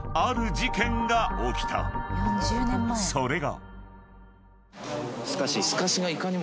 ［それが］